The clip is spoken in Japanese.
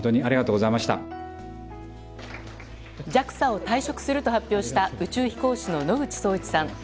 ＪＡＸＡを退職すると発表した宇宙飛行士の野口聡一さん。